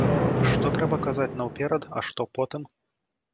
Што трэба казаць наўперад, а што потым?